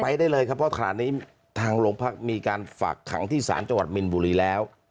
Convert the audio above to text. ไปได้เลยครับเพราะขณะนี้ทางโรงพักมีการฝากขังที่ศาลจังหวัดมินบุรีแล้ว